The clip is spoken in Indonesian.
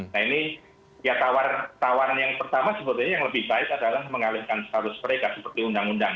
nah ini ya tawaran yang pertama sebetulnya yang lebih baik adalah mengalihkan status mereka seperti undang undang